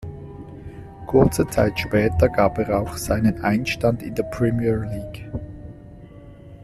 Kurze Zeit später gab er auch seinen Einstand in der Premier League.